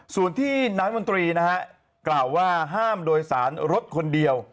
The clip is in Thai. ส่วนที่นายมนตรีนะฮะกล่าวว่าห้ามโดยสารรถคนเดียว